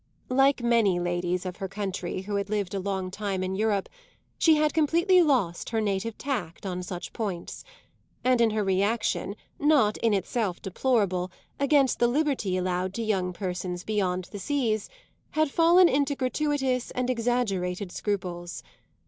Like many ladies of her country who had lived a long time in Europe, she had completely lost her native tact on such points, and in her reaction, not in itself deplorable, against the liberty allowed to young persons beyond the seas, had fallen into gratuitous and exaggerated scruples.